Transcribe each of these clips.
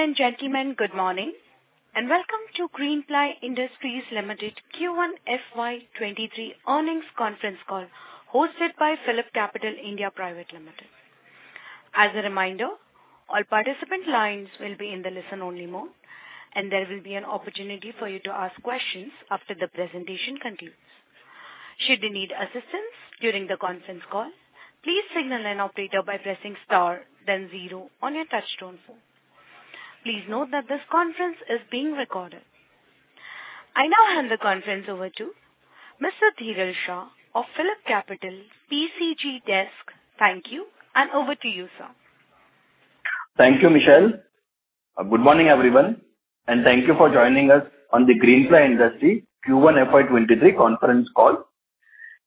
Ladies and gentlemen, good morning, and welcome to Greenply Industries Limited Q1 FY 2023 earnings conference call, hosted by PhillipCapital India Private Limited. As a reminder, all participant lines will be in the listen-only mode, and there will be an opportunity for you to ask questions after the presentation concludes. Should you need assistance during the conference call, please signal an operator by pressing star then zero on your touchtone phone. Please note that this conference is being recorded. I now hand the conference over to Mr. Dhiral Shah of PhillipCapital PCG Desk. Thank you, and over to you, sir. Thank you, Michelle. Good morning, everyone, and thank you for joining us on the Greenply Industries Q1 FY 2023 conference call.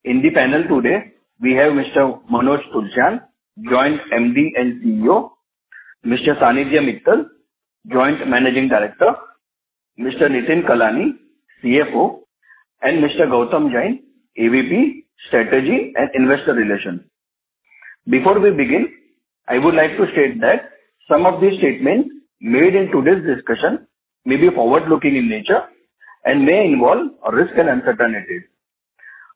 In the panel today, we have Mr. Manoj Tulsian, Joint MD and CEO, Mr. Sanidhya Mittal, Joint Managing Director, Mr. Nitin Kalani, CFO, and Mr. Gautam Jain, AVP, Strategy and Investor Relations. Before we begin, I would like to state that some of the statements made in today's discussion may be forward-looking in nature and may involve risk and uncertainties.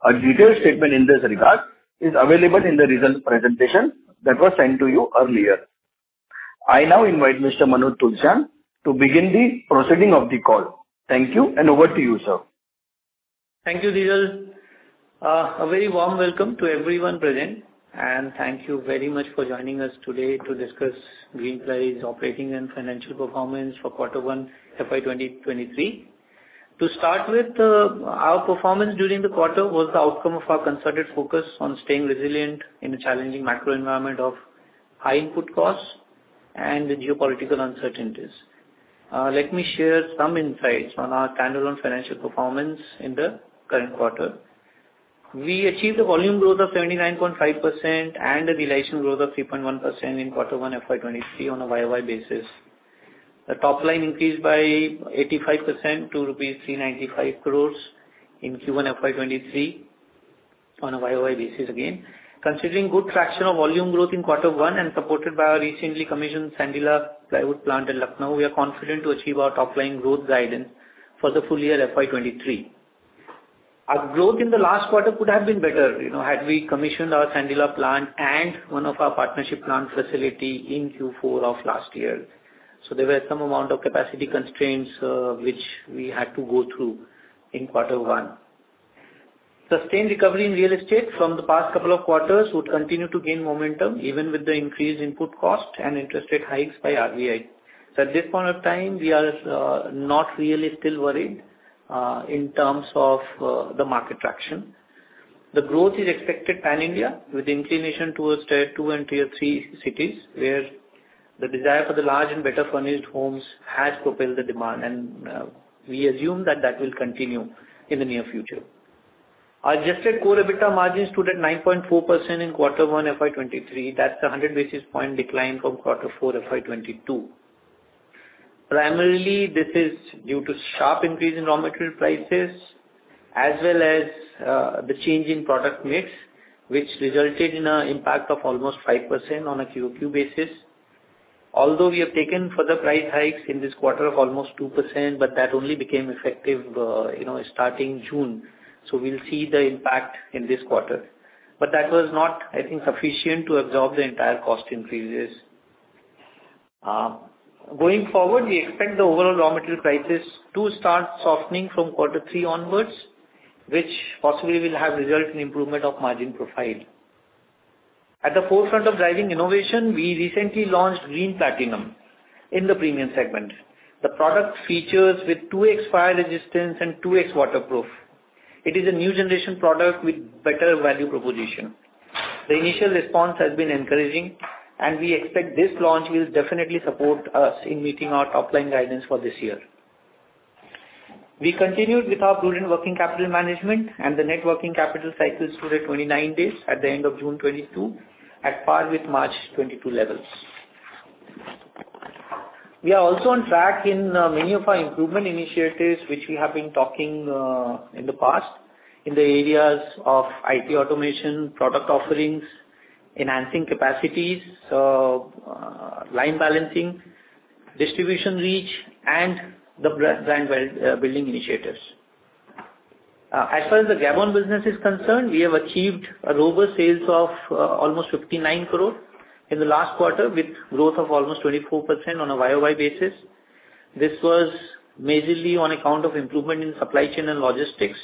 A detailed statement in this regard is available in the results presentation that was sent to you earlier. I now invite Mr. Manoj Tulsian to begin the proceeding of the call. Thank you, and over to you, sir. Thank you, Dhiral. A very warm welcome to everyone present, and thank you very much for joining us today to discuss Greenply's operating and financial performance for quarter one, FY 2023. To start with, our performance during the quarter was the outcome of our concerted focus on staying resilient in a challenging macro environment of high input costs and the geopolitical uncertainties. Let me share some insights on our standalone financial performance in the current quarter. We achieved a volume growth of 79.5% and a realization growth of 3.1% in quarter one FY 2023 on a YoY basis. The top line increased by 85% to 395 crore rupees in Q1 FY 2023 on a YoY basis again. Considering good traction of volume growth in quarter one and supported by our recently commissioned Sandila plywood plant in Lucknow, we are confident to achieve our top-line growth guidance for the full year FY 2023. Our growth in the last quarter could have been better, you know, had we commissioned our Sandila plant and one of our partnership plant facility in Q4 of last year. So there were some amount of capacity constraints, which we had to go through in quarter one. Sustained recovery in real estate from the past couple of quarters would continue to gain momentum, even with the increased input cost and interest rate hikes by RBI. So at this point of time, we are not really still worried in terms of the market traction. The growth is expected pan-India, with inclination towards Tier 2 and Tier 3 cities, where the desire for the large and better furnished homes has propelled the demand, and we assume that that will continue in the near future. Adjusted core EBITDA margins stood at 9.4% in quarter one, FY 2023. That's a 100 basis point decline from quarter four, FY 2022. Primarily, this is due to sharp increase in raw material prices, as well as the change in product mix, which resulted in an impact of almost 5% on a QoQ basis. Although we have taken further price hikes in this quarter of almost 2%, but that only became effective, you know, starting June, so we'll see the impact in this quarter. But that was not, I think, sufficient to absorb the entire cost increases. Going forward, we expect the overall raw material prices to start softening from quarter three onwards, which possibly will have result in improvement of margin profile. At the forefront of driving innovation, we recently launched Green Platinum in the premium segment. The product features with 2X fire resistance and 2X waterproof. It is a new generation product with better value proposition. The initial response has been encouraging, and we expect this launch will definitely support us in meeting our top-line guidance for this year. We continued with our prudent working capital management and the net working capital cycles to the 29 days at the end of June 2022, at par with March 2022 levels. We are also on track in many of our improvement initiatives, which we have been talking in the past, in the areas of IT automation, product offerings, enhancing capacities, line balancing, distribution reach, and the brand building initiatives. As far as the Gabon business is concerned, we have achieved a robust sales of almost 59 crore in the last quarter, with growth of almost 24% on a YoY basis. This was majorly on account of improvement in supply chain and logistics.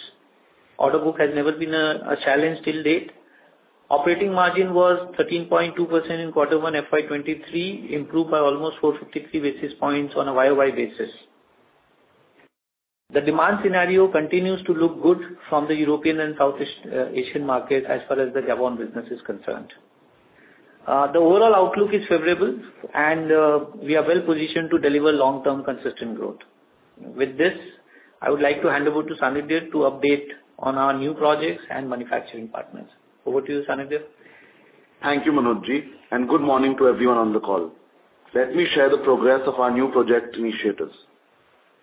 Order book has never been a challenge till date. Operating margin was 13.2% in quarter one FY 2023, improved by almost 453 basis points on a YoY basis. The demand scenario continues to look good from the European and South Asian market as far as the Gabon business is concerned. The overall outlook is favorable, and we are well positioned to deliver long-term consistent growth. With this, I would like to hand over to Sanidhya to update on our new projects and manufacturing partners. Over to you, Sanidhya. Thank you, Manoj, and good morning to everyone on the call. Let me share the progress of our new project initiatives.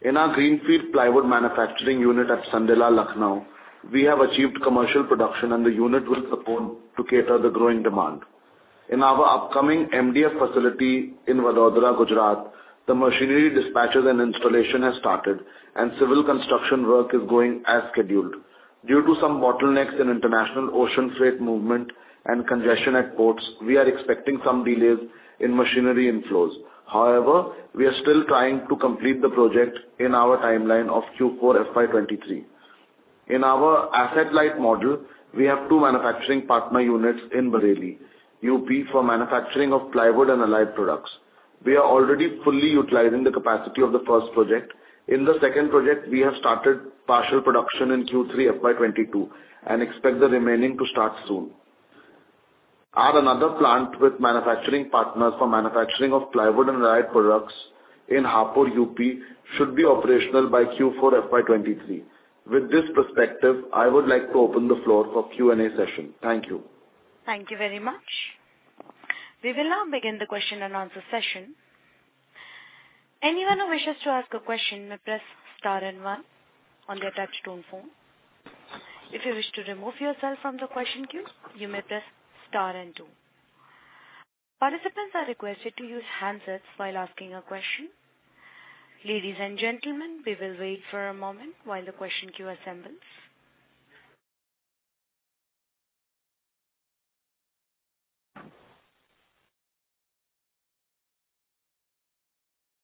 In our greenfield plywood manufacturing unit at Sandila, Lucknow, we have achieved commercial production and the unit will support to cater the growing demand. In our upcoming MDF facility in Vadodara, Gujarat, the machinery dispatches and installation has started, and civil construction work is going as scheduled. Due to some bottlenecks in international ocean freight movement and congestion at ports, we are expecting some delays in machinery inflows. However, we are still trying to complete the project in our timeline of Q4 FY 2023. In our asset-light model, we have two manufacturing partner units in Bareilly, UP, for manufacturing of plywood and allied products. We are already fully utilizing the capacity of the first project. In the second project, we have started partial production in Q3 FY 2022, and expect the remaining to start soon. Our another plant with manufacturing partners for manufacturing of plywood and allied products in Hapur, UP, should be operational by Q4 FY 2023. With this perspective, I would like to open the floor for Q&A session. Thank you. Thank you very much. We will now begin the question and answer session. Anyone who wishes to ask a question may press star and one on their touchtone phone. If you wish to remove yourself from the question queue, you may press star and two. Participants are requested to use handsets while asking a question. Ladies and gentlemen, we will wait for a moment while the question queue assembles.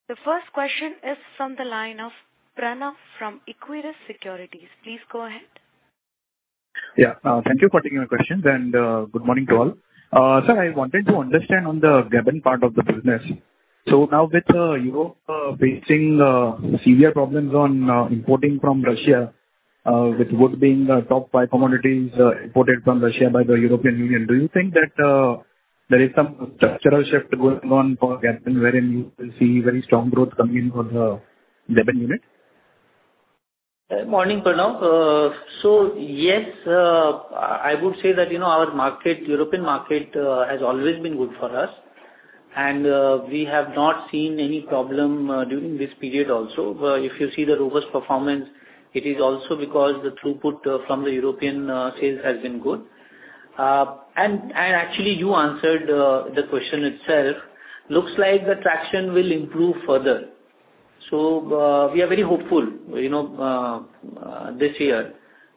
The first question is from the line of Pranav from Equirus Securities. Please go ahead. Yeah. Thank you for taking my questions, and good morning to all. Sir, I wanted to understand on the Gabon part of the business. So now with Europe facing severe problems on importing from Russia, with wood being the top five commodities imported from Russia by the European Union, do you think that there is some structural shift going on for Gabon, wherein you will see very strong growth coming in for the Gabon unit? Morning, Pranav. So yes, I would say that, you know, our market, European market, has always been good for us, and, we have not seen any problem, during this period also. If you see the robust performance, it is also because the throughput, from the European, sales has been good. And actually, you answered, the question itself. Looks like the traction will improve further. So, we are very hopeful, you know, this year,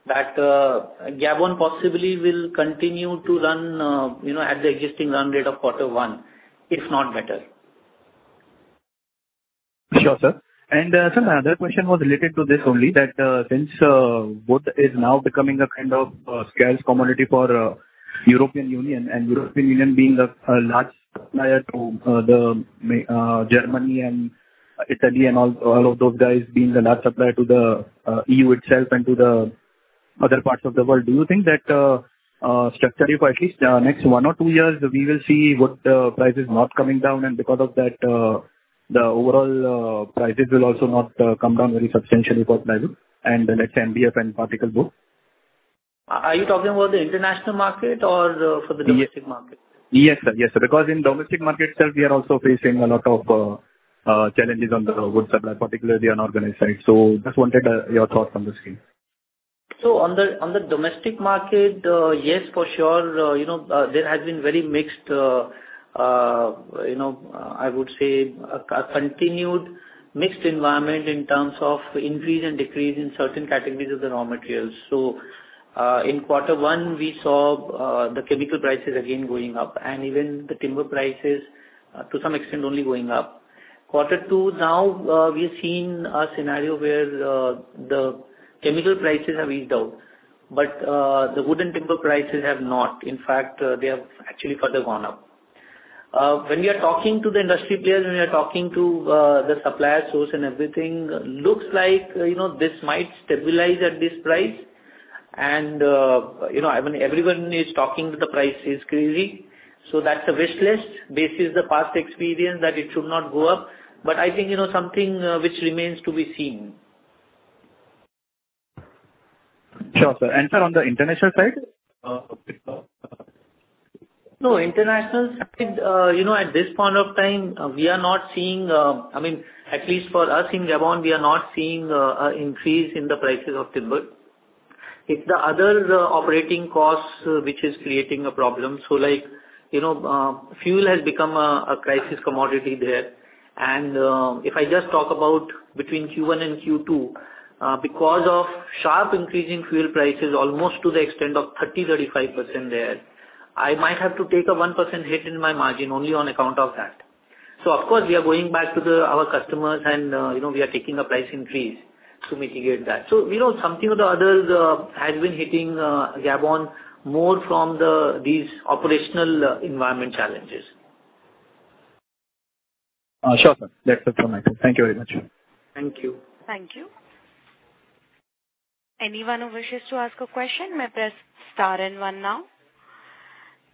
that, Gabon possibly will continue to run, you know, at the existing run rate of quarter one, if not better. Sure, sir. Sir, my other question was related to this only, that, since wood is now becoming a kind of scarce commodity for European Union, and European Union being a, a large supplier to the Germany and Italy and all, all of those guys, being a large supplier to the EU itself and to the other parts of the world, do you think that structurally, for at least next one or two years, we will see wood prices not coming down, and because of that the overall prices will also not come down very substantially for plywood and the next MDF and particle board? Are you talking about the international market or for the. Yes. Domestic market? Yes, sir. Yes, sir, because in the domestic market itself, we are also facing a lot of challenges on the wood supply, particularly the unorganized side. So just wanted your thoughts on the same. So on the domestic market, yes, for sure. You know, there has been very mixed, you know, I would say, a continued mixed environment in terms of increase and decrease in certain categories of the raw materials. So, in quarter one, we saw the chemical prices again going up, and even the timber prices, to some extent, only going up. Quarter two, now, we've seen a scenario where the chemical prices have eased out, but the wood and timber prices have not. In fact, they have actually further gone up. When we are talking to the industry players, when we are talking to the supplier source and everything, looks like, you know, this might stabilize at this price. You know, I mean, everyone is talking that the price is crazy, so that's a wish list, based on the past experience, that it should not go up. But I think, you know, something which remains to be seen. Sure, sir. And sir, on the international side? No, international side, you know, at this point of time, we are not seeing. I mean, at least for us in Gabon, we are not seeing a increase in the prices of timber. It's the other operating costs which is creating a problem. So like, you know, fuel has become a crisis commodity there. And, if I just talk about between Q1 and Q2, because of sharp increase in fuel prices, almost to the extent of 30%-35% there, I might have to take a 1% hit in my margin only on account of that. So of course, we are going back to our customers and, you know, we are taking a price increase to mitigate that. You know, something or the other has been hitting Gabon more from these operational environment challenges. Sure, sir. That's it from my end. Thank you very much. Thank you. Thank you. Anyone who wishes to ask a question may press star and one now.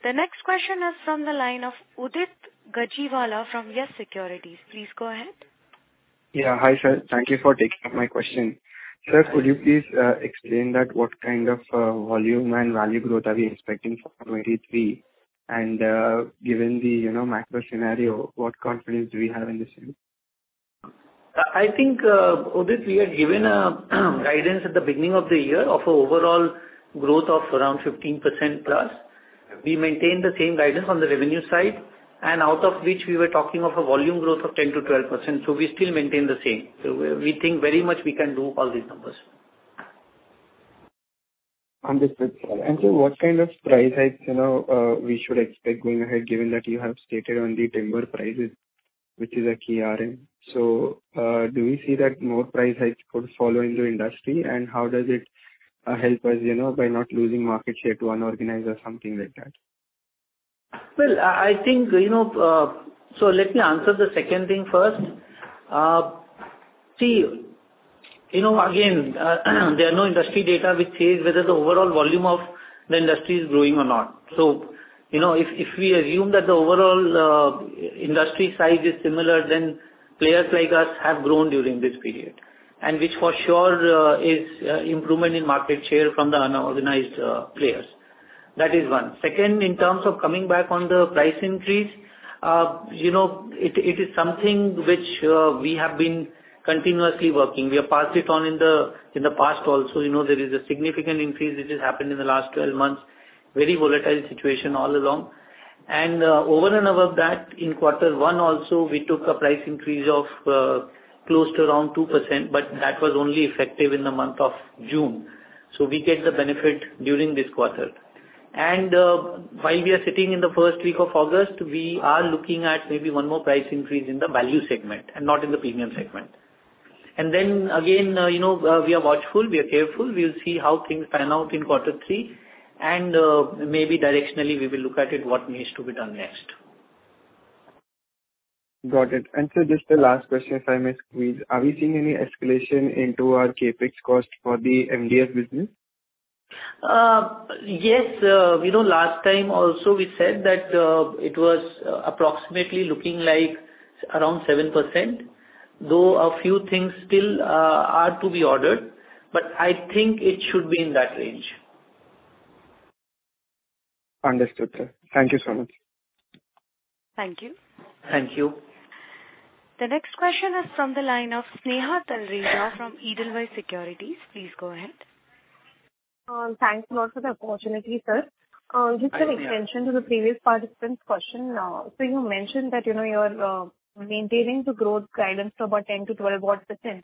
The next question is from the line of Udit Gajiwala from YES SECURITIES. Please go ahead. Yeah. Hi, sir. Thank you for taking my question. Sir, could you please explain that what kind of volume and value growth are we expecting for 2023? And given the, you know, macro scenario, what confidence do we have in this year? I think, Udit, we had given a guidance at the beginning of the year of an overall growth of around 15%+. We maintain the same guidance on the revenue side, and out of which we were talking of a volume growth of 10%-12%, so we still maintain the same. So we think very much we can do all these numbers. Understood, sir. And so what kind of price hikes, you know, we should expect going ahead, given that you have stated on the timber prices, which is a key RM? So, do we see that more price hikes could follow in the industry, and how does it help us, you know, by not losing market share to unorganized or something like that? Well, I think, you know. So let me answer the second thing first. See, you know, again, there are no industry data which says whether the overall volume of the industry is growing or not. So, you know, if we assume that the overall industry size is similar, then players like us have grown during this period, and which for sure is improvement in market share from the unorganized players. That is one. Second, in terms of coming back on the price increase, you know, it is something which we have been continuously working. We have passed it on in the past also. You know, there is a significant increase which has happened in the last 12 months, very volatile situation all along. Over and above that, in quarter one also, we took a price increase of close to around 2%, but that was only effective in the month of June, so we get the benefit during this quarter. While we are sitting in the first week of August, we are looking at maybe one more price increase in the value segment and not in the premium segment. Then again, you know, we are watchful, we are careful. We'll see how things pan out in quarter three, and maybe directionally, we will look at it, what needs to be done next. Got it. Just the last question, if I may squeeze. Are we seeing any escalation into our CapEx cost for the MDF business? Yes. We know last time also we said that it was approximately looking like around 7%, though a few things still are to be ordered, but I think it should be in that range. Understood, sir. Thank you so much. Thank you. Thank you. The next question is from the line of Sneha Talreja from Edelweiss Securities. Please go ahead. Thanks a lot for the opportunity, sir. Hi, Sneha. Just an extension to the previous participant's question. So you mentioned that, you know, you're maintaining the growth guidance to about 10%-12% odd.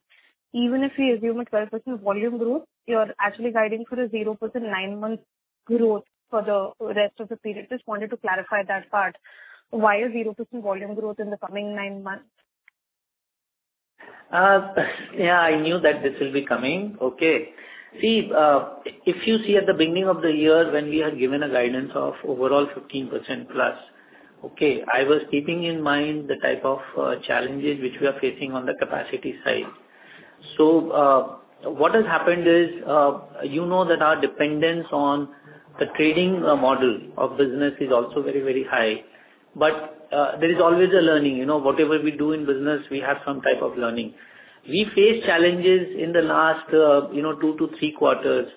Even if we assume a 12% volume growth, you're actually guiding for a 0% nine-month growth for the rest of the period. Just wanted to clarify that part. Why a 0% volume growth in the coming nine months? Yeah, I knew that this will be coming. Okay. See, if you see at the beginning of the year, when we had given a guidance of overall 15%+, okay, I was keeping in mind the type of challenges which we are facing on the capacity side. So, what has happened is, you know that our dependence on the trading model of business is also very, very high. But, there is always a learning, you know. Whatever we do in business, we have some type of learning. We faced challenges in the last, you know, two to three quarters,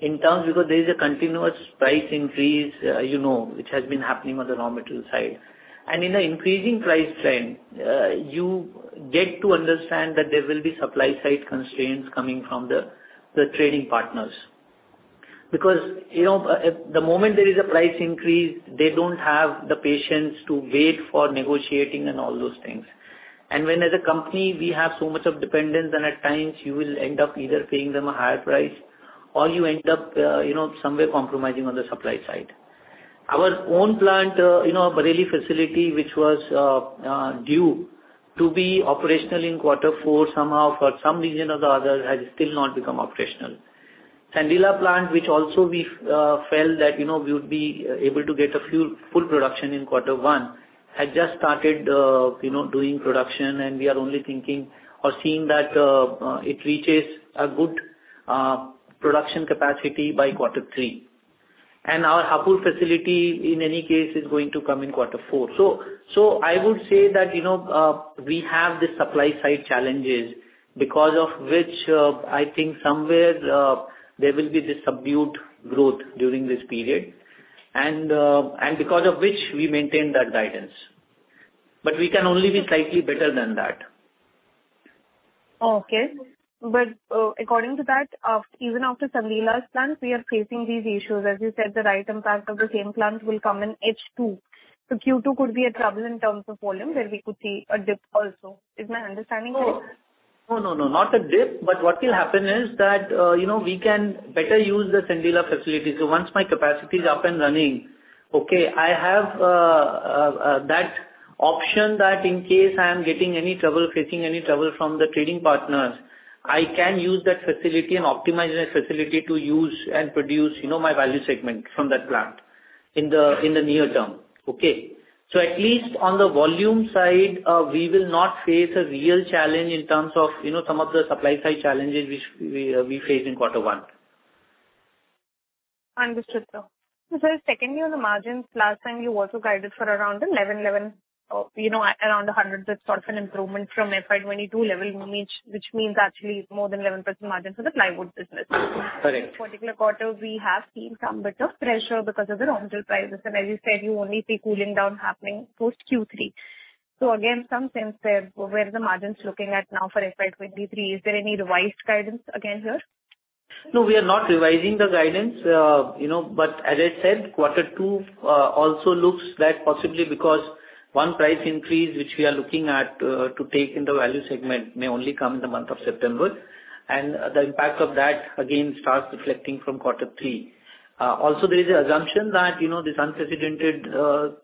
in terms because there is a continuous price increase, you know, which has been happening on the raw material side. And in an increasing price trend, you get to understand that there will be supply side constraints coming from the, the trading partners. Because, you know, the moment there is a price increase, they don't have the patience to wait for negotiating and all those things. And when as a company, we have so much of dependence, then at times you will end up either paying them a higher price or you end up, you know, somewhere compromising on the supply side. Our own plant, you know, Bareilly facility, which was, due to be operational in quarter four, somehow for some reason or the other, has still not become operational. Sandila plant, which also we felt that, you know, we would be able to get a few full production in quarter one, had just started, you know, doing production, and we are only thinking or seeing that it reaches a good production capacity by quarter three. And our Hapur facility, in any case, is going to come in quarter four. So, so I would say that, you know, we have the supply side challenges, because of which I think somewhere there will be this subdued growth during this period, and because of which, we maintain that guidance. But we can only be slightly better than that. Okay. But, according to that, after, even after Sandila's plant, we are facing these issues. As you said, the right impact of the same plant will come in H2. So Q2 could be a trouble in terms of volume, where we could see a dip also. Is my understanding correct? No. No, no, no, not a dip, but what will happen is that, you know, we can better use the Sandila facility. So once my capacity is up and running, okay, I have that option that in case I am getting any trouble, facing any trouble from the trading partners, I can use that facility and optimize that facility to use and produce, you know, my value segment from that plant in the, in the near term. Okay? So at least on the volume side, we will not face a real challenge in terms of, you know, some of the supply side challenges which we, we faced in quarter one. Understood, sir. So sir, secondly, on the margins, last time you also guided for around 11%, 11%, you know, around 100, that sort of an improvement from FY 2022 level, which means actually more than 11% margin for the plywood business. Correct. This particular quarter, we have seen some bit of pressure because of the raw material prices, and as you said, you only see cooling down happening post Q3. So again, some sense there, where are the margins looking at now for FY 2023? Is there any revised guidance again here? No, we are not revising the guidance, you know, but as I said, quarter two also looks like possibly because one, price increase, which we are looking at to take in the value segment, may only come in the month of September, and the impact of that, again, starts reflecting from quarter three. Also there is an assumption that, you know, this unprecedented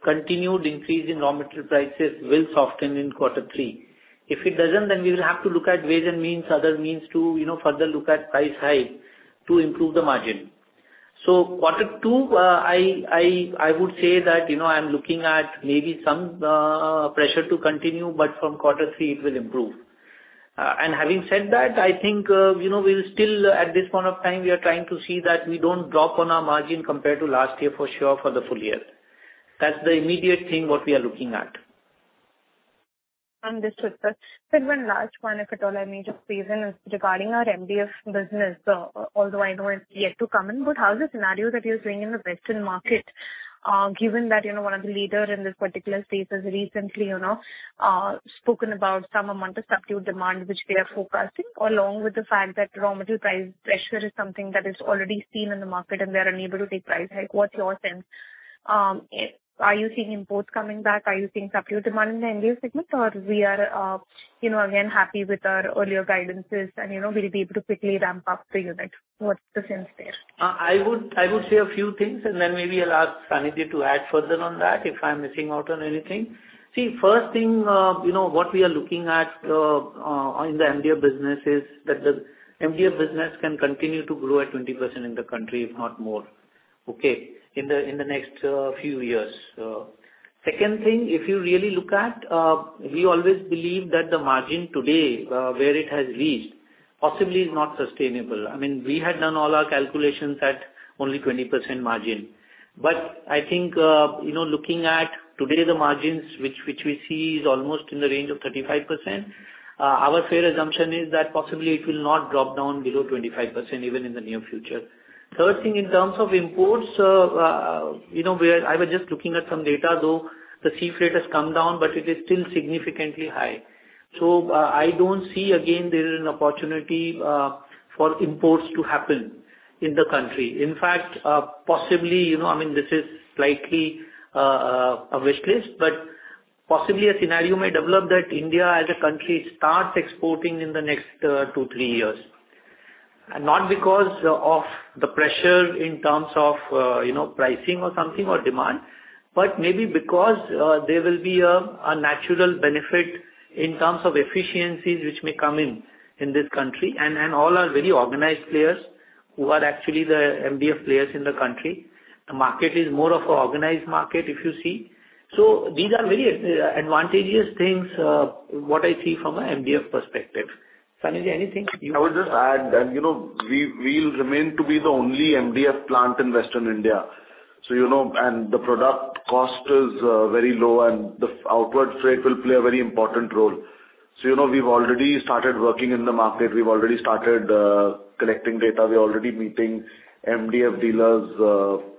continued increase in raw material prices will soften in quarter three. If it doesn't, then we will have to look at ways and means, other means to, you know, further look at price hike to improve the margin. So quarter two, I would say that, you know, I'm looking at maybe some pressure to continue, but from quarter three it will improve. Having said that, I think, you know, we'll still, at this point of time, we are trying to see that we don't drop on our margin compared to last year, for sure, for the full year. That's the immediate thing, what we are looking at. Understood, sir. Then one last one, if at all I may just squeeze in, is regarding our MDF business. Although I know it's yet to come in, but how is the scenario that you're seeing in the Western market, given that, you know, one of the leaders in this particular space has recently, you know, spoken about some amount of subdued demand which we are forecasting, along with the fact that raw material price pressure is something that is already seen in the market and we are unable to take price hike. What's your sense? Are you seeing imports coming back? Are you seeing subdued demand in the MDF segment, or we are, you know, again, happy with our earlier guidances and, you know, we'll be able to quickly ramp up the unit? What's the sense there? I would say a few things, and then maybe I'll ask Sanidhya to add further on that, if I'm missing out on anything. See, first thing, you know, what we are looking at in the MDF business is that the MDF business can continue to grow at 20% in the country, if not more, okay, in the next few years. Second thing, if you really look at, we always believe that the margin today, where it has reached, possibly is not sustainable. I mean, we had done all our calculations at only 20% margin. But I think, you know, looking at today, the margins which we see is almost in the range of 35%, our fair assumption is that possibly it will not drop down below 25% even in the near future. Third thing, in terms of imports, you know, we are—I was just looking at some data, though the sea freight has come down, but it is still significantly high. So, I don't see again there is an opportunity, for imports to happen in the country. In fact, possibly, you know, I mean, this is slightly, a wish list, but possibly a scenario may develop that India as a country starts exporting in the next, two, three years. Not because of the pressure in terms of, you know, pricing or something, or demand, but maybe because there will be a natural benefit in terms of efficiencies which may come in this country. And all are very organized players who are actually the MDF players in the country. The market is more of an organized market, if you see. So these are very advantageous things, what I see from an MDF perspective. Sanidhya, anything? I would just add that, you know, we, we'll remain to be the only MDF plant in Western India. So, you know, and the product cost is very low, and the outward freight will play a very important role. So, you know, we've already started working in the market. We've already started collecting data. We're already meeting MDF dealers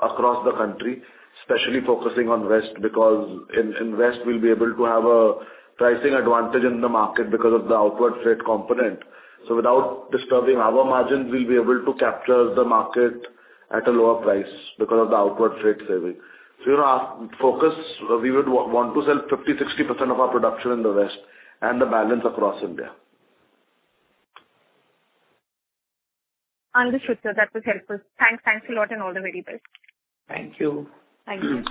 across the country, especially focusing on West, because in West we'll be able to have a pricing advantage in the market because of the outward freight component. So without disturbing our margins, we'll be able to capture the market at a lower price because of the outward freight saving. So our focus, we would want to sell 50%-60% of our production in the West and the balance across India. Understood, sir. That was helpful. Thanks. Thanks a lot, and all the very best. Thank you. Thank you.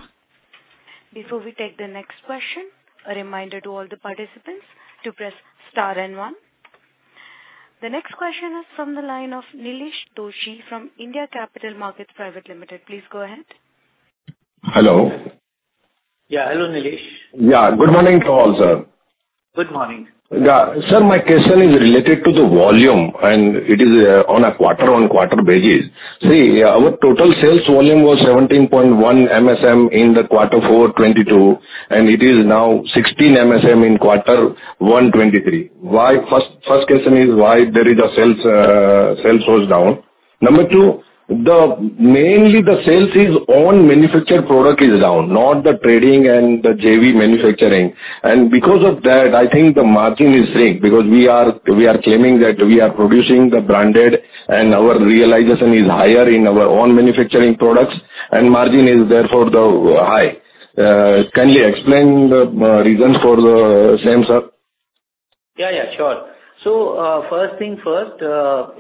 Before we take the next question, a reminder to all the participants to press star and one. The next question is from the line of Nilesh Doshi from India Capital Markets Pvt Ltd. Please go ahead. Hello. Yeah, hello, Nilesh. Yeah, good morning to all, sir. Good morning. Yeah. Sir, my question is related to the volume, and it is on a quarter-on-quarter basis. See, our total sales volume was 17.1 MSM in quarter four 2022, and it is now 16 MSM in quarter one 2023. Why, first, first question is why there is a sales, sales goes down? Number 2, mainly the sales is own manufactured product is down, not the trading and the JV manufacturing. And because of that, I think the margin is shrink, because we are, we are claiming that we are producing the branded and our realization is higher in our own manufacturing products, and margin is therefore the high. Can you explain the reasons for the same, sir? Yeah, yeah, sure. So, first thing first,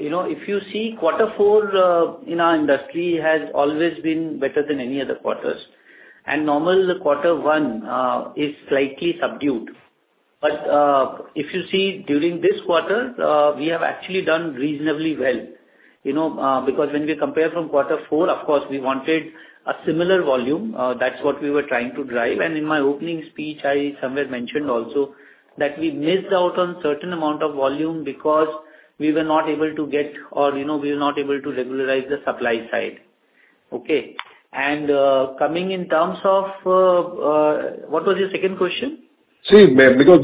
you know, if you see, quarter four, in our industry has always been better than any other quarters. And normally, the quarter one, is slightly subdued. But, if you see during this quarter, we have actually done reasonably well, you know, because when we compare from quarter four, of course, we wanted a similar volume. That's what we were trying to drive. And in my opening speech, I somewhere mentioned also, that we missed out on certain amount of volume because we were not able to get or, you know, we were not able to regularize the supply side. Okay. And, coming in terms of, what was your second question? See, because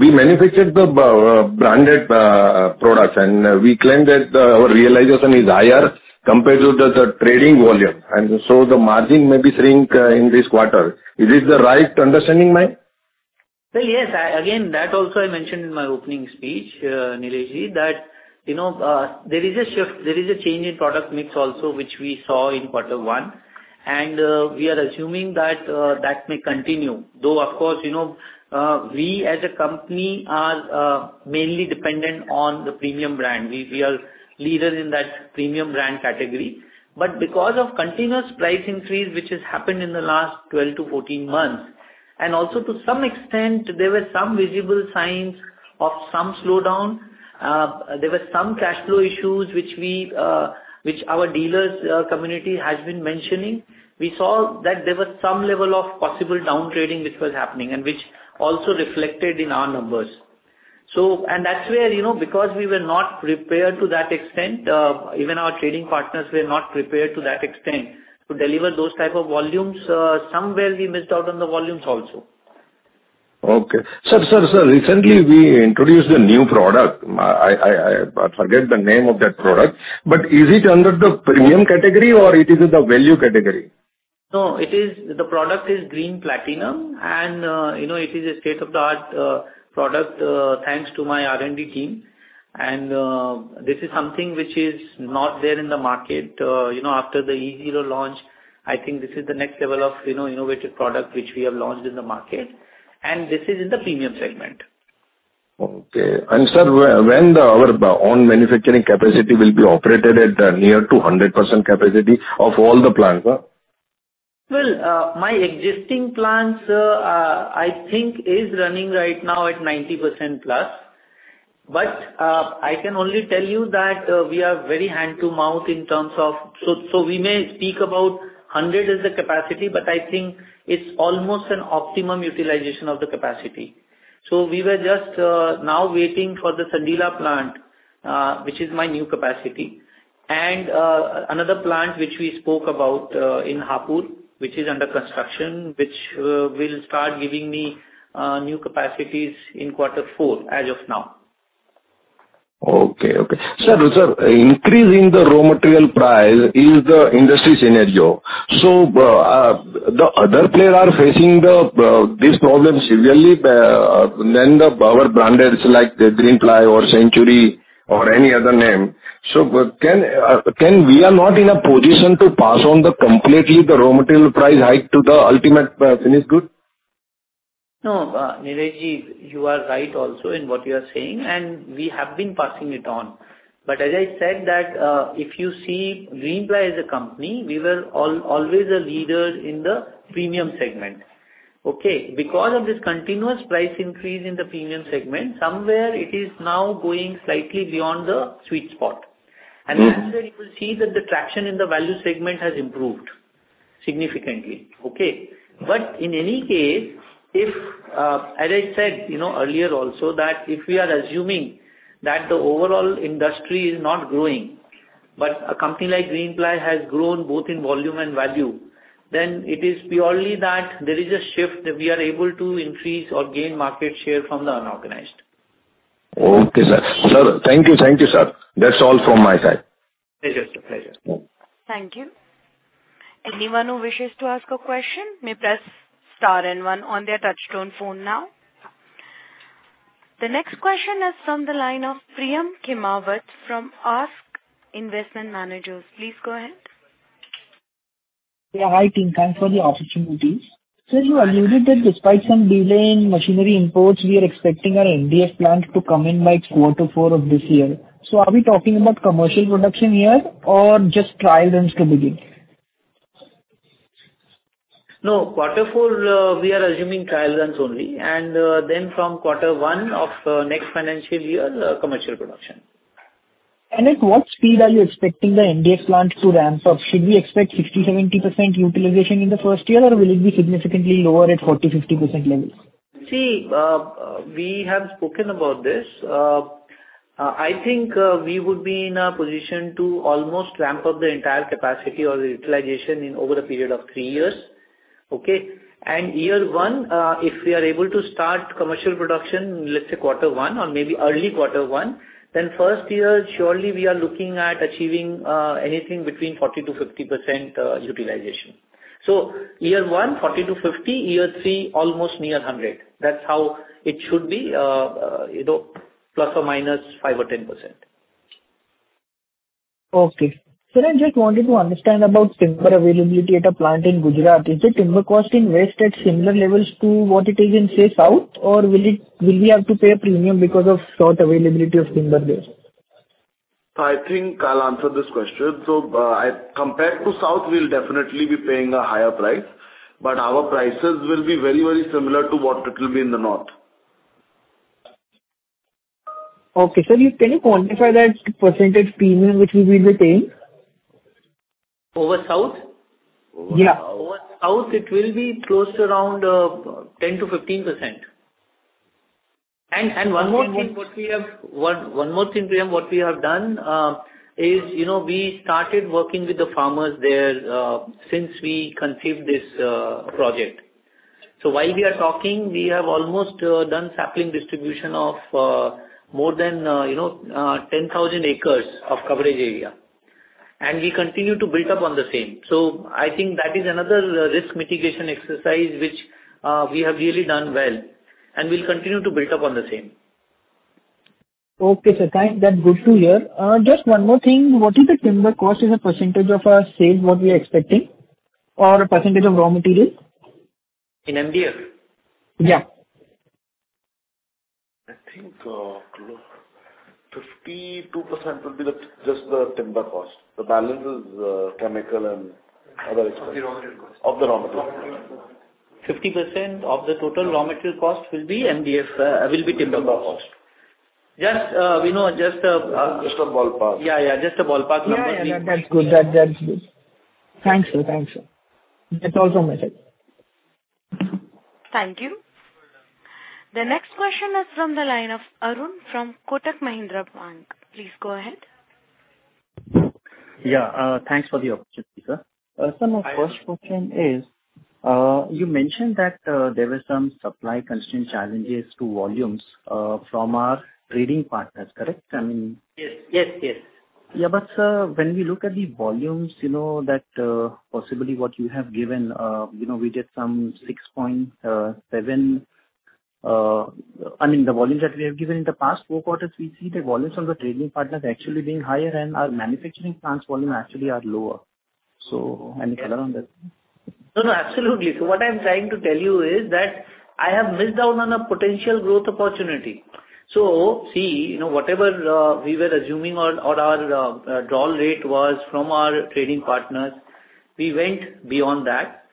we manufactured the branded products, and we claimed that our realization is higher compared to the trading volume, and so the margin may shrink in this quarter. Is this the right understanding, ma'am? Well, yes, I, again, that also I mentioned in my opening speech, Nilesh, that, you know, there is a shift, there is a change in product mix also, which we saw in quarter one, and, we are assuming that, that may continue. Though, of course, you know, we as a company are, mainly dependent on the premium brand. We, we are leaders in that premium brand category. But because of continuous price increase, which has happened in the last 12-14 months, and also to some extent, there were some visible signs of some slowdown, there were some cash flow issues which we, which our dealers, community has been mentioning. We saw that there was some level of possible down trading which was happening and which also reflected in our numbers. That's where, you know, because we were not prepared to that extent, even our trading partners were not prepared to that extent, to deliver those type of volumes, somewhere we missed out on the volumes also. Okay. Sir, sir, sir, recently we introduced a new product. I forget the name of that product, but is it under the premium category or it is in the value category? No, it is, the product is Green Platinum, and, you know, it is a state-of-the-art, product, thanks to my R&D team, and, this is something which is not there in the market. You know, after the E-Zero launch, I think this is the next level of, you know, innovative product which we have launched in the market, and this is in the premium segment. Okay. And, sir, when our own manufacturing capacity will be operated at near to 100% capacity of all the plants? Well, my existing plants, I think, is running right now at 90%+. But, I can only tell you that, we are very hand-to-mouth in terms of, so we may speak about 100% as the capacity, but I think it's almost an optimum utilization of the capacity. So we were just now waiting for the Sandila plant, which is my new capacity, and, another plant which we spoke about, in Hapur, which is under construction, which, will start giving me, new capacities in quarter four, as of now. Okay, okay. Sir, sir, increase in the raw material price is the industry scenario, so the other player are facing this problem severely than the power brands like the Greenply or Century or any other name. So but can we are not in a position to pass on completely the raw material price hike to the ultimate finished good? No, Nilesh, you are right also in what you are saying, and we have been passing it on. But as I said that, if you see Greenply as a company, we were always a leader in the premium segment. Okay, because of this continuous price increase in the premium segment, somewhere it is now going slightly beyond the sweet spot. Mm-hmm. That's where you will see that the traction in the value segment has improved significantly, okay? But in any case, if, as I said, you know, earlier also, that if we are assuming that the overall industry is not growing, but a company like Greenply has grown both in volume and value, then it is purely that there is a shift, that we are able to increase or gain market share from the unorganized. Okay, sir. Sir, thank you. Thank you, sir. That's all from my side. Pleasure, sir, pleasure. Thank you. Anyone who wishes to ask a question, may press star and one on their touchtone phone now. The next question is from the line of Priyam Khimawat from ASK Investment Managers. Please go ahead. Yeah, hi, team. Thanks for the opportunity. Sir, you alluded that despite some delay in machinery imports, we are expecting our MDF plant to come in by quarter four of this year. So are we talking about commercial production here or just trial runs to begin? No, quarter four, we are assuming trial runs only, and then from quarter one of next financial year, commercial production. At what speed are you expecting the MDF plant to ramp up? Should we expect 60%, 70% utilization in the first year, or will it be significantly lower at 40%, 50% levels? See, we have spoken about this. I think, we would be in a position to almost ramp up the entire capacity or the utilization in over a period of three years. Okay? And year one, if we are able to start commercial production, let's say, quarter one or maybe early quarter one, then first year, surely we are looking at achieving, anything between 40%-50% utilization. So year one, 40%-50%, year three, almost near 100%. That's how it should be, you know, ±5% or 10%. Okay. Sir, I just wanted to understand about timber availability at a plant in Gujarat. Is the timber cost in West at similar levels to what it is in, say, South? Or will it, will we have to pay a premium because of short availability of timber there? I think I'll answer this question. So, compared to South, we'll definitely be paying a higher price, but our prices will be very, very similar to what it will be in the North. Okay, sir, can you quantify that percentage premium which we will be paying? Over South? Yeah. Over South, it will be close to around 10%-15%. One more thing, Priyam, what we have done is, you know, we started working with the farmers there since we conceived this project. So while we are talking, we have almost done sapling distribution of more than, you know, 10,000 acres of coverage area, and we continue to build up on the same. So I think that is another risk mitigation exercise, which we have really done well, and we'll continue to build up on the same. Okay, sir. That's good to hear. Just one more thing, what is the timber cost as a percentage of our sales, what we are expecting, or a percentage of raw material? In MDF? Yeah. I think close 52% will be just the timber cost. The balance is chemical and other expenses. Of the raw material cost. Of the raw material. 50% of the total raw material cost will be MDF, will be timber cost. Just, we know just. Just a ballpark. Yeah, yeah, just a ballpark number. Yeah, yeah, that, that's good. That, that's good. Thanks, sir. Thanks, sir. That's also my side. Thank you. The next question is from the line of Arun from Kotak Mahindra Bank. Please go ahead. Yeah, thanks for the opportunity, sir. Sir, my first question is, you mentioned that, there were some supply constraint challenges to volumes, from our trading partners, correct? I mean. Yes. Yes, yes. Yeah, but, sir, when we look at the volumes, you know, that possibly what you have given, you know, we did some 6.7. I mean, the volumes that we have given in the past four quarters, we see the volumes from the trading partners actually being higher and our manufacturing plants volume actually are lower. So any comment on that? No, no, absolutely. So what I'm trying to tell you is that I have missed out on a potential growth opportunity. So see, you know, whatever, we were assuming or our draw rate was from our trading partners, we went beyond that.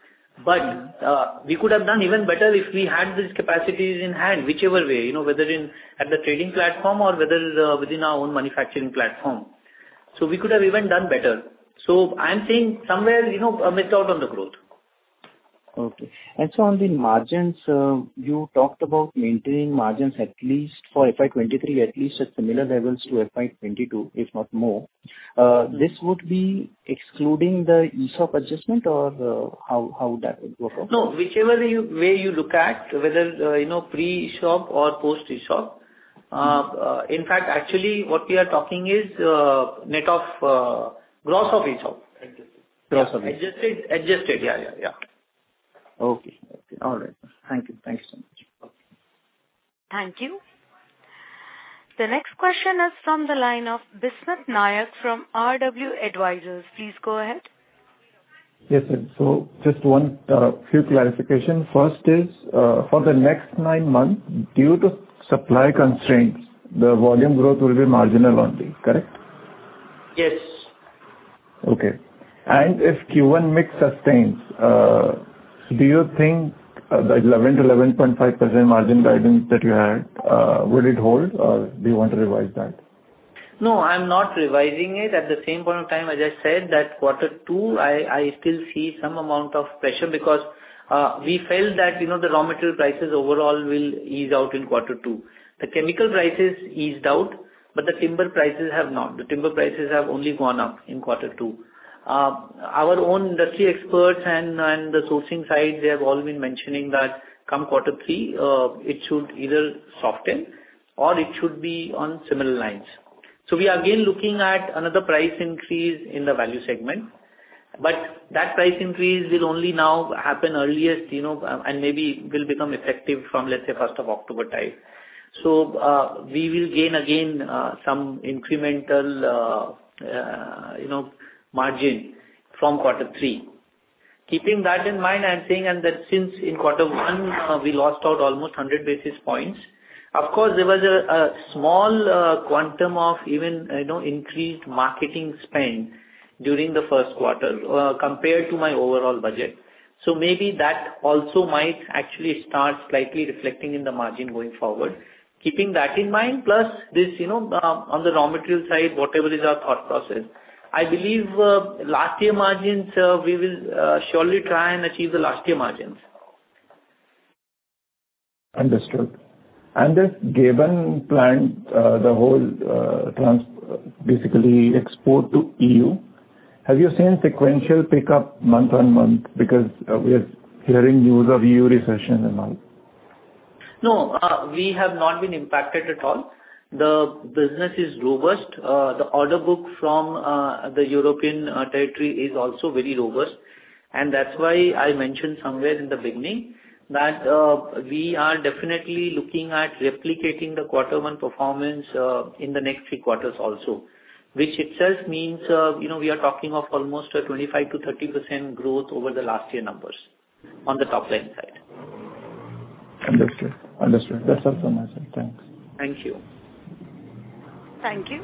But, we could have done even better if we had these capacities in hand, whichever way, you know, whether in at the trading platform or whether, within our own manufacturing platform. So we could have even done better. So I'm saying somewhere, you know, missed out on the growth. Okay. And so on the margins, you talked about maintaining margins at least for FY 2023, at least at similar levels to FY 2022, if not more. This would be excluding the ESOP adjustment or, how, how would that work out? No, whichever way you look at, whether you know, pre-ESOP or post-ESOP, in fact, actually, what we are talking is net of, gross of ESOP. Adjusted. Gross of ESOP. Adjusted, adjusted. Yeah, yeah, yeah. Okay. Okay. All right. Thank you. Thank you so much. Thank you. The next question is from the line of Bismith Nayak from RW Advisors. Please go ahead. Yes, sir. So just one, few clarification. First is, for the next nine months, due to supply constraints, the volume growth will be marginal only, correct? Yes. Okay. And if Q1 mix sustains, do you think the 11%-11.5% margin guidance that you had will it hold, or do you want to revise that? No, I'm not revising it. At the same point of time, as I said that quarter two, I still see some amount of pressure because we felt that, you know, the raw material prices overall will ease out in quarter two. The chemical prices eased out, but the timber prices have not. The timber prices have only gone up in quarter two. Our own industry experts and the sourcing side, they have all been mentioning that come quarter three, it should either soften or it should be on similar lines. So we are again looking at another price increase in the value segment, but that price increase will only now happen earliest, you know, and maybe will become effective from, let's say, first of October time. So, we will gain again some incremental, you know, margin from quarter three. Keeping that in mind, I'm saying, and that since in quarter one, we lost out almost 100 basis points. Of course, there was a small quantum of even, you know, increased marketing spend during the first quarter, compared to my overall budget. So maybe that also might actually start slightly reflecting in the margin going forward. Keeping that in mind, plus this, you know, on the raw material side, whatever is our thought process, I believe, last year margins, we will, surely try and achieve the last year margins. Understood. This given plant, the whole basically export to EU, have you seen sequential pickup month-on-month? Because we are hearing news of EU recession and all. No, we have not been impacted at all. The business is robust. The order book from the European territory is also very robust. And that's why I mentioned somewhere in the beginning that we are definitely looking at replicating the quarter one performance in the next three quarters also. Which itself means, you know, we are talking of almost a 25%-30% growth over the last year numbers on the top-line side. Understood. Understood. That's also my side. Thanks. Thank you. Thank you.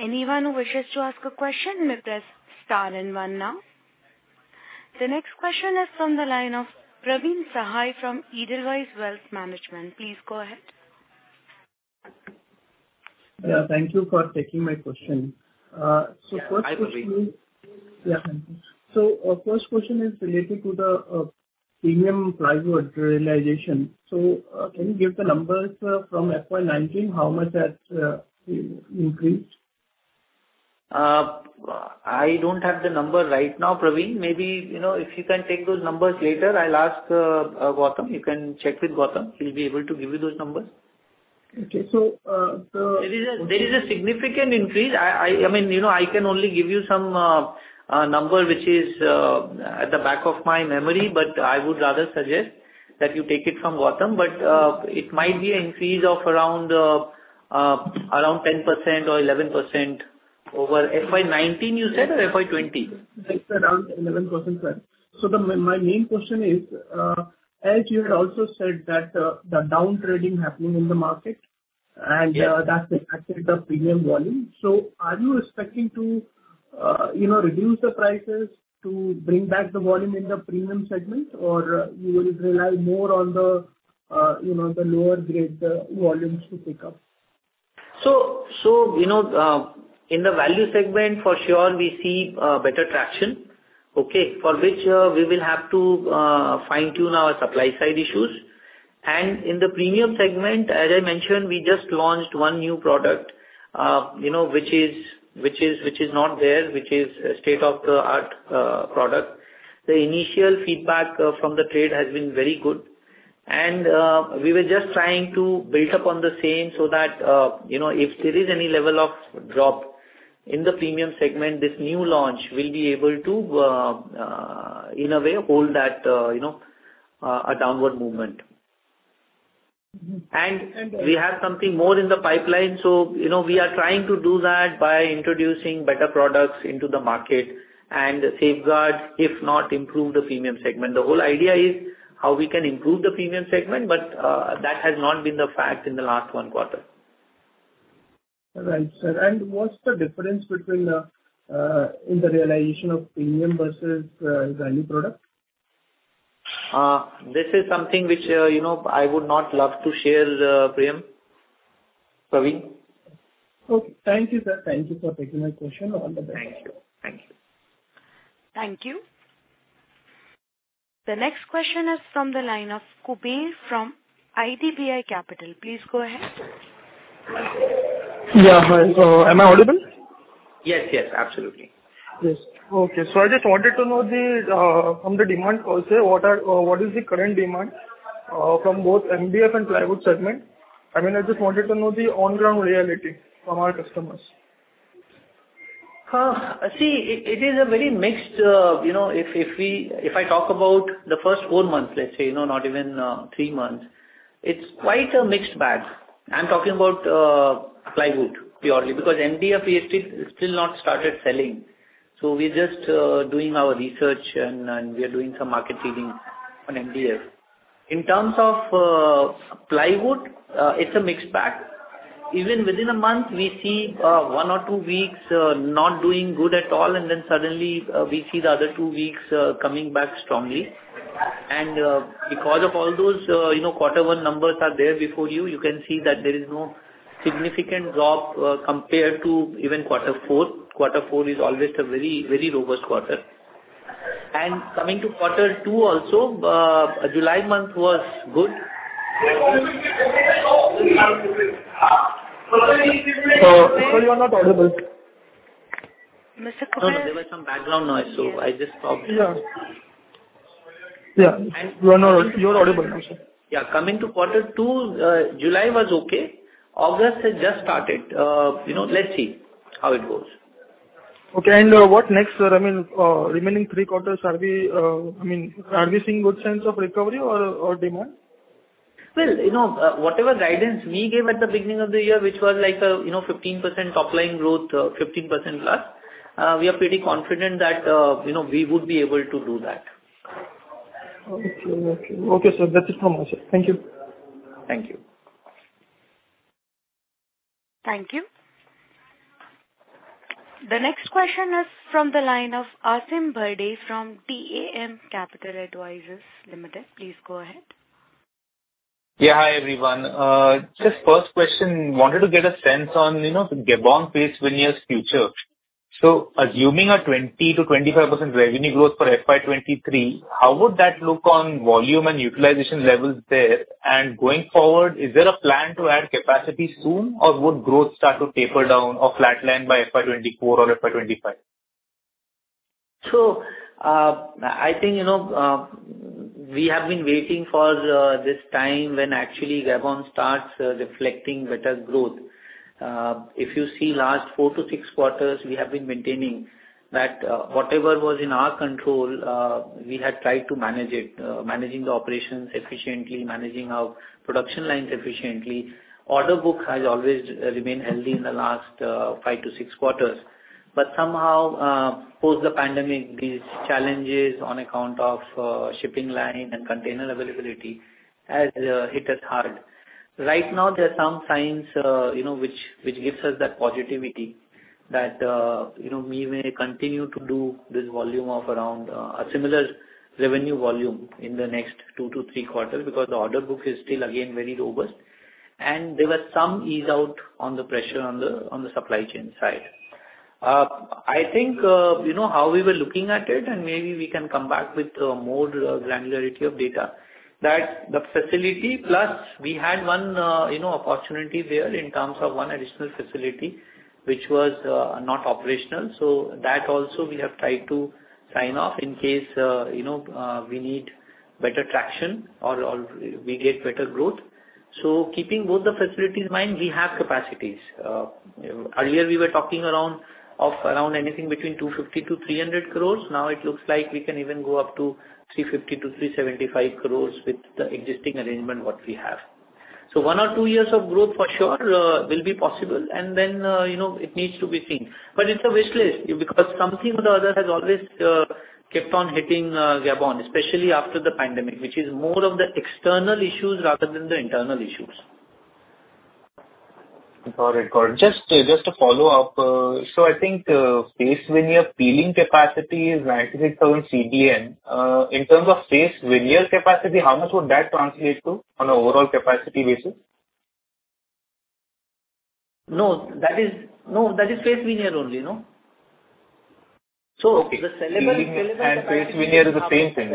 Anyone who wishes to ask a question, may press star and one now. The next question is from the line of Praveen Sahay from Edelweiss Wealth Management. Please go ahead. Yeah, thank you for taking my question. So first question. Yeah, hi, Praveen. Yeah. So our first question is related to the premium plywood realization. So, can you give the numbers from FY 2019, how much that increased? I don't have the number right now, Praveen. Maybe, you know, if you can take those numbers later, I'll ask Gautam. You can check with Gautam, he'll be able to give you those numbers. Okay. So. There is a significant increase. I mean, you know, I can only give you some number which is at the back of my memory, but I would rather suggest that you take it from Gautam. But it might be an increase of around 10% or 11% over FY 2019, you said, or FY 2020? It's around 11%, sir. So the, my main question is, as you had also said that, the downtrading happening in the market, and. Yes. That's affected the premium volume. So are you expecting to, you know, reduce the prices to bring back the volume in the premium segment, or you will rely more on the, you know, the lower grade volumes to pick up? So, you know, in the value segment, for sure we see better traction, okay? For which, we will have to fine-tune our supply side issues. And in the premium segment, as I mentioned, we just launched one new product, you know, which is not there, which is a state-of-the-art product. The initial feedback from the trade has been very good. And we were just trying to build upon the same so that, you know, if there is any level of drop in the premium segment, this new launch will be able to, in a way, hold that, you know, a downward movement. Mm-hmm. We have something more in the pipeline. You know, we are trying to do that by introducing better products into the market and safeguard, if not improve, the premium segment. The whole idea is how we can improve the premium segment, but that has not been the fact in the last one quarter. Right, sir. And what's the difference between the in the realization of premium versus the value product? This is something which, you know, I would not love to share, Praveen. Okay. Thank you, sir. Thank you for taking my question. All the best. Thank you. Thank you. Thank you. The next question is from the line of Kuber from IDBI Capital. Please go ahead. Yeah. Hi, so am I audible? Yes, yes, absolutely. Yes. Okay. So I just wanted to know the, from the demand also, what are, what is the current demand, from both MDF and plywood segment? I mean, I just wanted to know the on-ground reality from our customers. See, it is a very mixed, you know, if we, If I talk about the first four months, let's say, you know, not even three months, it's quite a mixed bag. I'm talking about plywood purely, because MDF we have still not started selling. So we're just doing our research and we are doing some market reading on MDF. In terms of plywood, it's a mixed bag. Even within a month, we see one or two weeks not doing good at all, and then suddenly we see the other two weeks coming back strongly. And because of all those, you know, quarter one numbers are there before you, you can see that there is no significant drop compared to even quarter four. Quarter four is always a very, very robust quarter. Coming to quarter two also, July month was good. You are not audible. Mr. Kuber. There was some background noise, so I just stopped. Yeah. Yeah, you are audible now, sir. Yeah. Coming to quarter two, July was okay. August has just started. You know, let's see how it goes. Okay. And, what next, sir? I mean, remaining three quarters, are we, I mean, are we seeing good signs of recovery or, or demand? Well, you know, whatever guidance we gave at the beginning of the year, which was like, you know, 15% top line growth, 15%+, we are pretty confident that, you know, we would be able to do that. Okay. Okay. Okay, sir. That's it from my side. Thank you. Thank you. Thank you. The next question is from the line of Aasim Bharde from DAM Capital Advisors Limited. Please go ahead. Yeah, hi, everyone. Just first question, wanted to get a sense on, you know, Gabon face veneer's future. So assuming a 20%-25% revenue growth for FY 2023, how would that look on volume and utilization levels there? And going forward, is there a plan to add capacity soon, or would growth start to taper down or flatline by FY 2024 or FY 2025? So, I think, you know, we have been waiting for this time when actually Gabon starts reflecting better growth. If you see last four to six quarters, we have been maintaining that whatever was in our control, we had tried to manage it. Managing the operations efficiently, managing our production lines efficiently. Order book has always remained healthy in the last five to six quarters. But somehow, post the pandemic, these challenges on account of shipping line and container availability has hit us hard. Right now, there are some signs, you know, which, which gives us that positivity that, you know, we may continue to do this volume of around a similar revenue volume in the next two to three quarters, because the order book is still again very robust. There was some ease out on the pressure on the supply chain side. I think, you know, how we were looking at it, and maybe we can come back with more granularity of data. That the facility plus we had one, you know, opportunity there in terms of one additional facility, which was not operational. So that also we have tried to sign off in case, you know, we need better traction or, or we get better growth. So keeping both the facilities in mind, we have capacities. Earlier we were talking around of around anything between 250 crore-300 crore. Now it looks like we can even go up to 350 crore-375 crore with the existing arrangement, what we have. So one or two years of growth, for sure, will be possible, and then, you know, it needs to be seen. But it's a wish list, because something or the other has always kept on hitting Gabon, especially after the pandemic, which is more of the external issues rather than the internal issues. Got it. Got it. Just, just to follow up, so I think, face veneer peeling capacity is 96,000 CBM. In terms of face veneer capacity, how much would that translate to on an overall capacity basis? No, that is face veneer only, no? So the sellable. Okay. Peeling and face veneer is the same thing.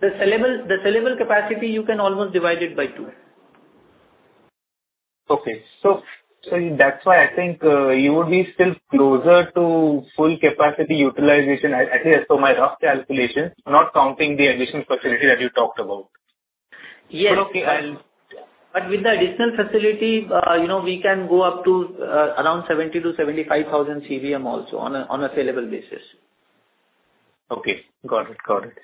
The sellable, the sellable capacity, you can almost divide it by two. Okay. So that's why I think you would be still closer to full capacity utilization, at least so my rough calculation, not counting the additional facility that you talked about. Yes. But okay, I'll. But with the additional facility, you know, we can go up to around 70,000-75,000 CBM also on a sellable basis. Okay. Got it. Got it.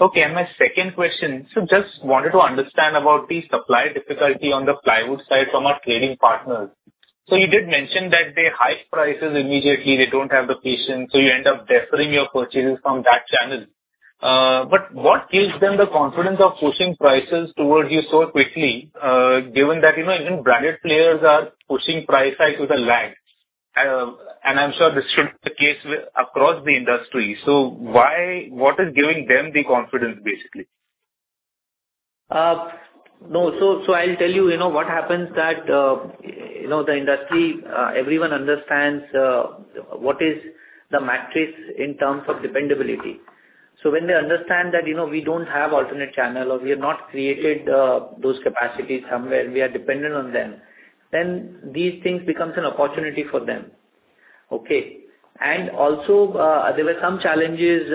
Okay, and my second question: so just wanted to understand about the supply difficulty on the plywood side from our trading partners. So you did mention that they hike prices immediately, they don't have the patience, so you end up deferring your purchases from that channel. But what gives them the confidence of pushing prices towards you so quickly, given that, you know, even branded players are pushing price hike with a lag? And I'm sure this should be the case across the industry. So, what is giving them the confidence, basically? No. So I'll tell you, you know, what happens that, you know, the industry, everyone understands, what is the metrics in terms of dependability. So when they understand that, you know, we don't have alternate channel, or we have not created, those capacities somewhere, we are dependent on them, then these things becomes an opportunity for them. Okay? And also, there were some challenges,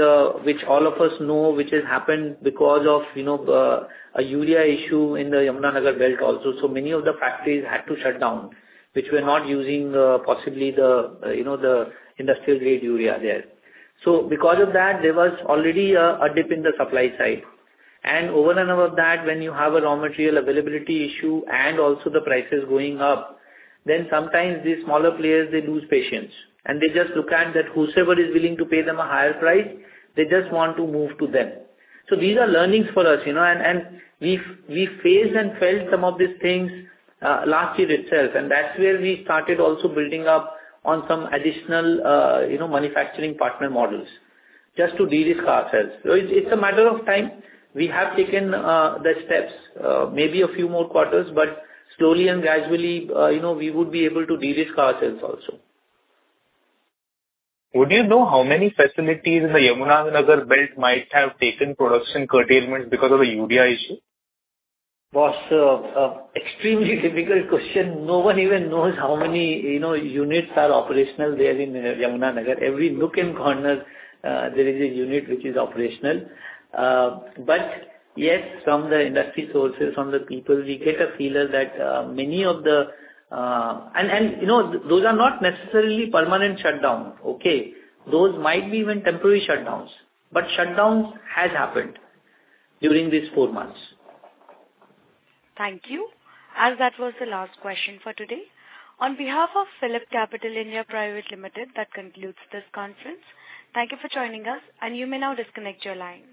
which all of us know, which has happened because of, you know, a urea issue in the Yamunanagar belt also. So many of the factories had to shut down, which were not using, possibly the, you know, the industrial grade urea there. So because of that, there was already a dip in the supply side. And over and above that, when you have a raw material availability issue and also the prices going up, then sometimes these smaller players, they lose patience, and they just look at that whosoever is willing to pay them a higher price, they just want to move to them. So these are learnings for us, you know, and, and we've, we faced and felt some of these things, last year itself, and that's where we started also building up on some additional, you know, manufacturing partner models, just to de-risk ourselves. So it's, it's a matter of time. We have taken, the steps, maybe a few more quarters, but slowly and gradually, you know, we would be able to de-risk ourselves also. Would you know how many facilities in the Yamunanagar belt might have taken production curtailments because of the urea issue? Boss, extremely difficult question. No one even knows how many, you know, units are operational there in Yamunanagar. Every nook and corner, there is a unit which is operational. But yes, from the industry sources, from the people, we get a feeling that, many of the, and, and, you know, those are not necessarily permanent shutdown, okay? Those might be even temporary shutdowns, but shutdowns has happened during these four months. Thank you. As that was the last question for today, on behalf of PhillipCapital India Private Limited, that concludes this conference. Thank you for joining us, and you may now disconnect your line.